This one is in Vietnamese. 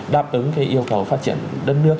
đáp ứng cái yêu cầu phát triển đất nước